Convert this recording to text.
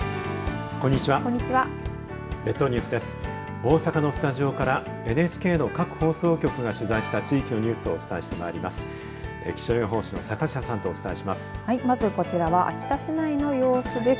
大阪のスタジオからＮＨＫの各放送局が取材した地域のニュースをお伝えしてまいります。